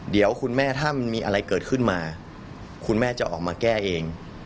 เดี๋ยวคุณแม่ถ้ามันมีอะไรเกิดขึ้นมาคุณแม่จะออกมาแก้เอง